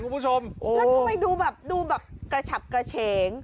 แล้วทำไมดูแบบกระฉับกระเฉง